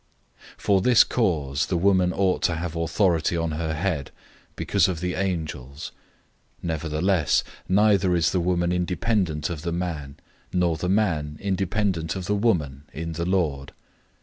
011:010 For this cause the woman ought to have authority on her head, because of the angels. 011:011 Nevertheless, neither is the woman independent of the man, nor the man independent of the woman, in the Lord.